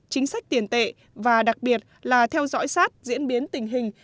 chính sách tiền tệ và đặc biệt là theo dõi sát diễn biến tình hình